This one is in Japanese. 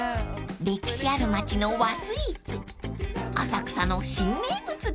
［歴史ある街の和スイーツ浅草の新名物です］